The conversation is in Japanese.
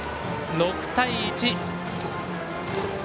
６対１。